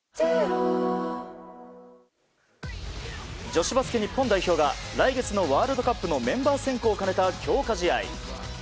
女子バスケ日本代表が来月のワールドカップのメンバー選考を兼ねた強化試合。